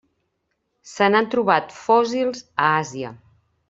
Se n'han trobat fòssils a Àsia.